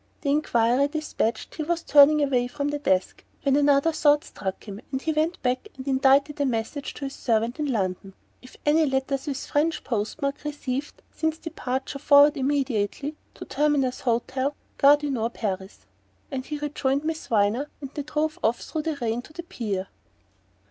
The enquiry despatched, he was turning away from the desk when another thought struck him and he went back and indited a message to his servant in London: "If any letters with French post mark received since departure forward immediately to Terminus Hotel Gare du Nord Paris." Then he rejoined Miss Viner, and they drove off through the rain to the pier.